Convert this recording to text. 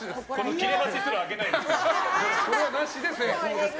切れ端すらあげないです。